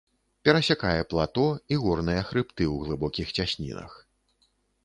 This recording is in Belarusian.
Перасякае плато і горныя хрыбты ў глыбокіх цяснінах.